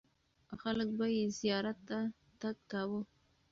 خلک به یې زیارت ته تګ کاوه.